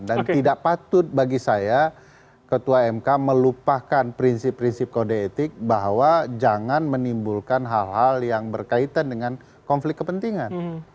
dan tidak patut bagi saya ketua mk melupakan prinsip prinsip kode etik bahwa jangan menimbulkan hal hal yang berkaitan dengan konflik kepentingan